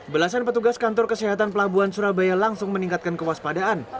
belasan petugas kantor kesehatan pelabuhan surabaya langsung meningkatkan kewaspadaan